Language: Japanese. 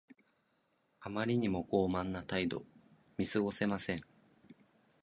あまりにも傲慢な態度。見過ごせません。